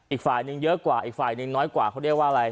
อีกฝ่ายนึงเยอะกว่าอีกฝ่ายหนึ่งน้อยกว่าเขาเรียกว่าอะไร